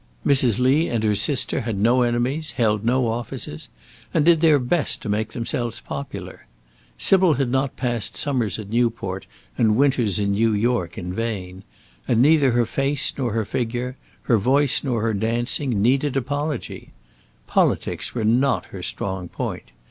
Mrs. Lee and her sister had no enemies, held no offices, and did their best to make themselves popular. Sybil had not passed summers at Newport and winters in New York in vain; and neither her face nor her figure, her voice nor her dancing, needed apology. Politics were not her strong point.